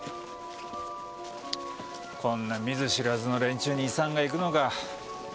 こんな見ず知らずの連中に遺産が行くのか。